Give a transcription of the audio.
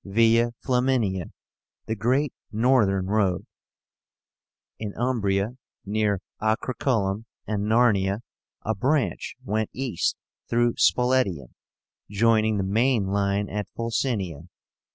VIA FLAMINIA, the great northern road. In Umbria, near Ocriculum and Narnia, a branch went east through Spoletium, joining the main line at Fulsinia.